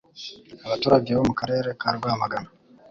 Abaturage bo mu karere ka Rwamagana